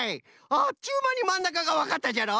あっちゅうまにまんなかがわかったじゃろ？